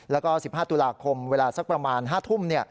แล้วก็๑๕ตุลาคมเวลาสักประมาณ๕ทุ่ม